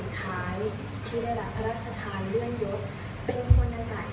ที่ได้รับพระราชทานเลื่อนยศเพลงพลังกาอีก